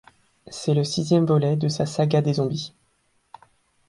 C'est le sixième volet de sa Saga des zombies.